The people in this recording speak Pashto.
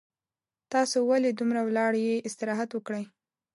تاسو ولې دومره ولاړ یي استراحت وکړئ